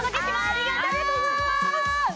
ありがとうございます